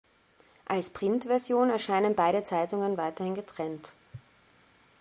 Als Printversion erscheinen beide Zeitungen weiterhin getrennt.